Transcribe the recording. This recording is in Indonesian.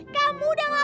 kamu udah hug me